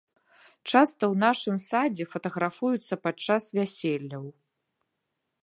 Часта ў нашым садзе фатаграфуюцца падчас вяселляў.